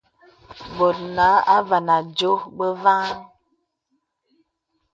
Bòt àvā nà àdiò bə vaŋhaŋ.